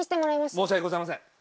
申し訳ございません。